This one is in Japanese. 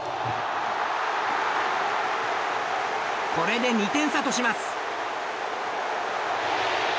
これで２点差とします。